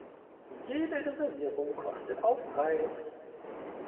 Jede Reservierung kostet Aufpreis.